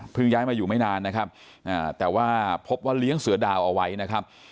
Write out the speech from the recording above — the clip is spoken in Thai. ย้ายมาอยู่ไม่นานนะครับแต่ว่าพบว่าเลี้ยงเสือดาวเอาไว้นะครับ